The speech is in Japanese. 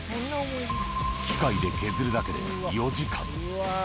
機械で削るだけで４時間。